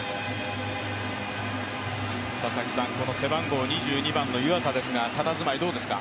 背番号２２番の湯浅ですが、たたずまい、どうですか。